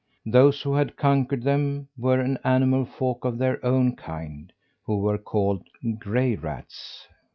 Those who had conquered them were an animal folk of their own kind, who were called gray rats.